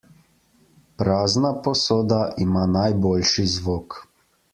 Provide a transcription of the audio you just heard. Prazna posoda ima najboljši zvok.